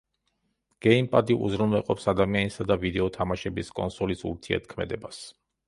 გეიმპადი უზრუნველყოფს ადამიანისა და ვიდეო თამაშების კონსოლის ურთიერთქმედებას.